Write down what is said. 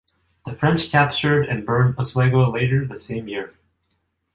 The French captured and burned Oswego later the same year.